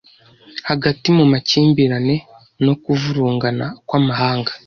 Hagati mu makimbirane no kuvurungana kw’amahanga,